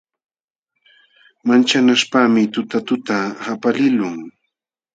Manchanaśhpaqmi tutatuta qapaliqlun.